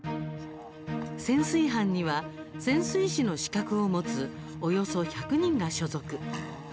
潜水班には、潜水士の資格を持つおよそ１００人が所属。